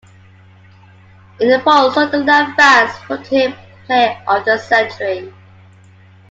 In a poll Sunderland fans voted him player of the century.